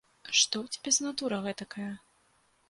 Што ў цябе за натура гэтакая?